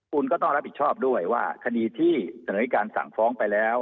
คุณก็ต้องรับผิดชอบด้วยว่าคดีที่เสนอการสั่งฟ้องไปแล้ว